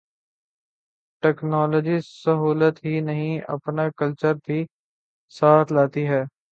Technology سہولت ہی نہیں، اپنا کلچر بھی ساتھ لاتی ہے۔